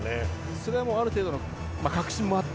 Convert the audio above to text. それはある程度の確信もあって？